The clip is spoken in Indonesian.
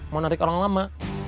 mau narik orang lama